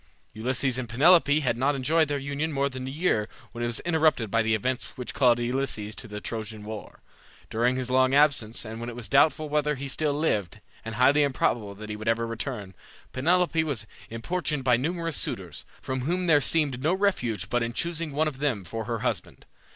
Ulysses and Penelope had not enjoyed their union more than a year when it was interrupted by the events which called Ulysses to the Trojan war. During his long absence, and when it was doubtful whether he still lived, and highly improbable that he would ever return, Penelope was importuned by numerous suitors, from whom there seemed no refuge but in choosing one of them for her husband.